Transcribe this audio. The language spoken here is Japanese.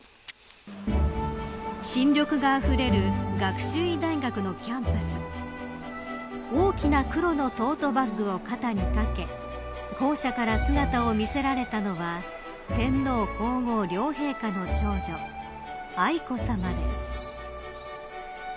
新緑が、あふれる学習院大学のキャンパス大きな黒のトートバッグを肩にかけ校舎から姿を見せられたのは天皇皇后両陛下の長女愛子さまです。